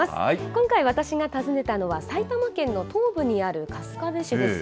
今回、私が訪ねたのは、埼玉県の東部にある春日部市です。